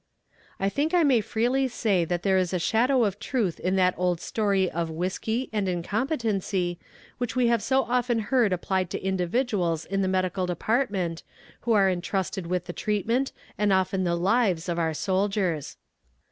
I think I may freely say that there is a shadow of truth in that old story of "whiskey" and "incompetency" which we have so often heard applied to individuals in the medical department, who are intrusted with the treatment, and often the lives of our soldiers.